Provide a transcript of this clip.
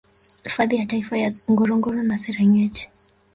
Hifadhi ya Taifa ya Ngorongoro na Serengeti